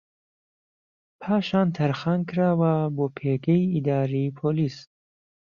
پاشان تەرخان کراوە بۆ پێگەی ئیداریی پۆلیس